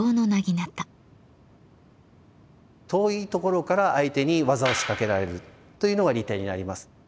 遠いところから相手に技を仕掛けられるというのが利点になります。